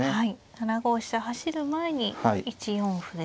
７五飛車走る前に１四歩ですね。